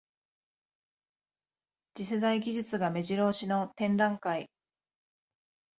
次世代技術がめじろ押しの展覧会